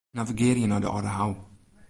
Navigearje nei de Aldehou.